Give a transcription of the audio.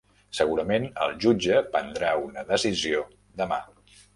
Segurament el jutge prendrà una decisió demà